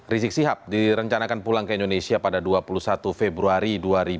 rizik sihab direncanakan pulang ke indonesia pada dua puluh satu februari dua ribu dua puluh